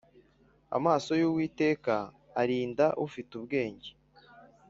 amaso y’uwiteka arinda ufite ubwenge,